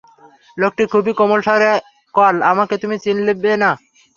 লোকটি খুবই কোমল স্বরে কল, আমাকে তুমি চিলবে না।